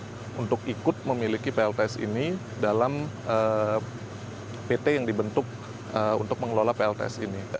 jadi kita harus memiliki plts ini dalam pt yang dibentuk untuk mengelola plts ini